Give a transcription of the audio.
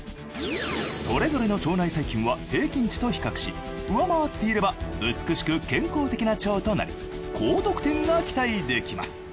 それぞれの腸内細菌は平均値と比較し上回っていれば美しく健康的な腸となり高得点が期待できます